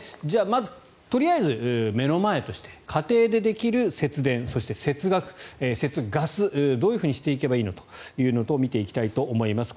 まずとりあえず目の前として家庭でできる節電そして、節ガスどういうふうにしていけばいいのか見ていきたいと思います。